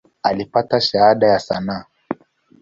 Alipata Shahada ya sanaa.